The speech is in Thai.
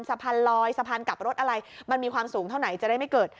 สะพานลอยสะพานกลับรถอะไรมันมีความสูงเท่าไหนจะได้ไม่เกิด